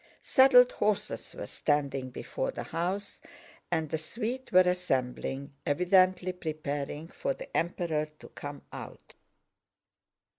Saddled horses were standing before the house and the suite were assembling, evidently preparing for the Emperor to come out.